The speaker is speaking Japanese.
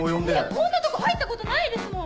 こんなとこ入ったことないですもん！